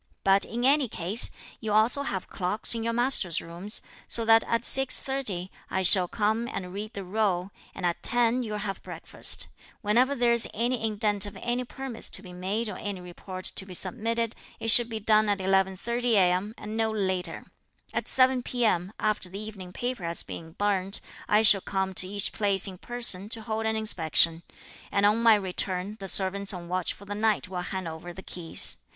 But, in any case, you also have clocks in your master's rooms, so that at 6.30, I shall come and read the roll, and at ten you'll have breakfast. Whenever there is any indent of any permits to be made or any report to be submitted, it should be done at 11.30 a.m. and no later. At 7 p.m., after the evening paper has been burnt, I shall come to each place in person to hold an inspection; and on my return, the servants on watch for the night will hand over the keys.